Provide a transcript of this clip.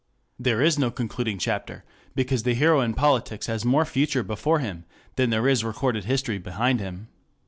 There is no concluding chapter, because the hero in politics has more future before him than there is recorded history behind him.